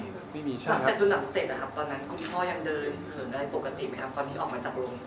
ตอนที่ออกมาจากโรงภาพยนตร์